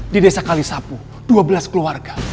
di desa kalisapu dua belas keluarga